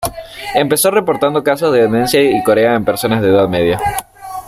Empezó reportando casos de demencia y corea en personas de edad media.